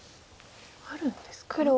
あるんですか？